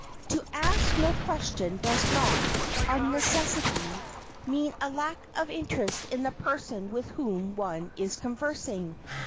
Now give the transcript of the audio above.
To ask no question does not, of necessity, mean a lack of interest in the person with whom one is conversing.